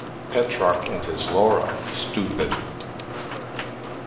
" Petrarch and his Laura, stoopid.